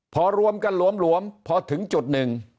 พอรวมกันหลวมพอถึงจุดหนึ่ง